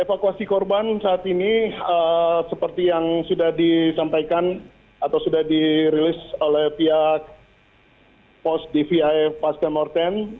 evakuasi korban saat ini seperti yang sudah disampaikan atau sudah dirilis oleh pihak pos dvi pasca mortem